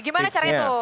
gimana caranya tuh